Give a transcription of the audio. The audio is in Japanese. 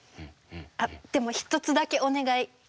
あっでも一つだけお願い！